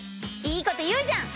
いいこと言うじゃん！